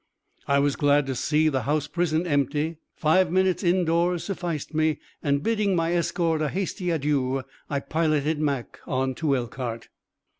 I was glad to see the house prison empty. Five minutes indoors sufficed me; and, bidding my escort a hasty adieu, I piloted Mac on to Elkhart.